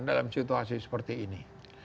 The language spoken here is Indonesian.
dalam situasi seperti ini